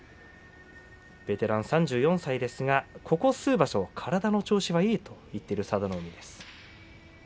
ベテラン３４歳ですがここ数場所体の調子がいいと言っている佐田の海です。